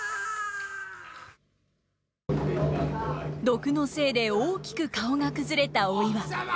毒のせいで大きく顔が崩れたお岩。